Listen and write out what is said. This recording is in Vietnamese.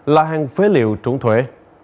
là hàng phế liệu trốn thuế